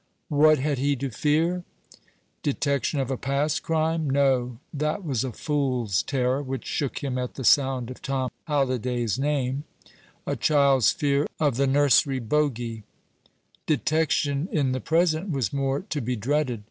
What had he to fear? Detection of a past crime? No, that was a fool's terror which shook him at the sound of Tom Halliday's name a child's fear of the nursery bogie. Detection in the present was more to be dreaded.